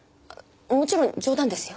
もちろん冗談ですよ。